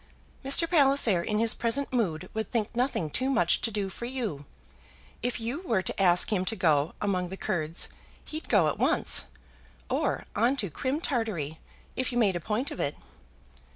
"Mr. Palliser in his present mood would think nothing too much to do for you. If you were to ask him to go among the Kurds, he'd go at once; or on to Crim Tartary, if you made a point of it."